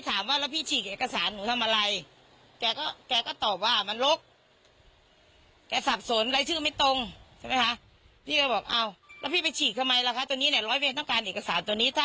ถ้าพี่เอาเอกสารตัวนี้มาด้วยให้ร้อยเวน